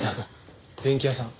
電器屋さん。